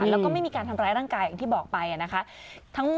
แล้วก็ไม่มีการทำร้ายร่างกายอย่างที่บอกไปนะคะ